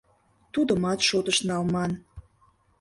Тудымат шотыш налман.